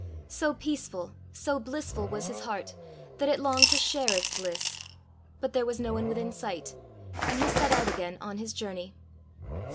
So peaceful, so blissful was his heart that it longed to share its bliss; but there was no one within sight, and he set out again on his journey.